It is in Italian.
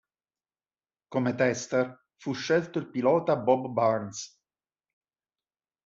Come tester fu scelto il pilota Bob Burns.